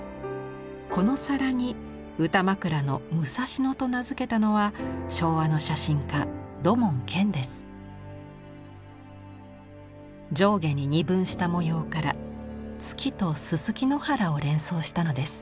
この皿に歌枕の「武蔵野」と名付けたのは昭和の上下に二分した模様から月とすすき野原を連想したのです。